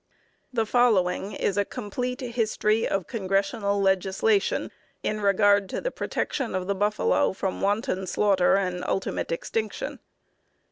The following is a complete history of Congressional legislation in regard to the protection of the buffalo from wanton slaughter and ultimate extinction.